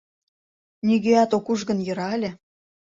Нигӧат ок уж гын, йӧра ыле.